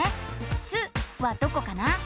「す」はどこかな？